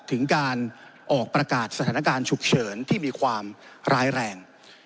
ถึงการออกประกาศสถานการณ์ฉุกเฉินที่มีความร้ายแรง